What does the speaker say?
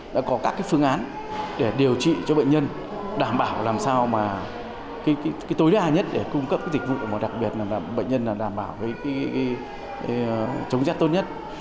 đã có các phương án để điều trị cho bệnh nhân đảm bảo làm sao mà tối đa nhất để cung cấp dịch vụ mà đặc biệt là bệnh nhân đảm bảo chống rét tốt nhất